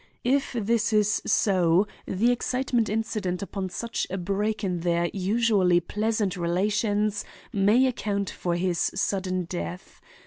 If this is so, the excitement incident upon such a break in their usually pleasant relations may account for his sudden death.